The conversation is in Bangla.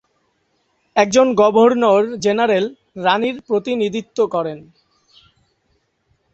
একজন গভর্নর জেনারেল রাণীর প্রতিনিধিত্ব করেন।